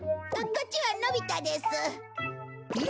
こっちはのび太です。